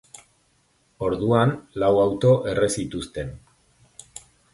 Orduan, lau auto erre zituzten.